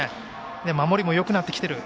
守りもよくなってきている。